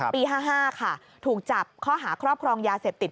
ปี๕๕ค่ะถูกจับข้อหาครอบครองยาเสพติด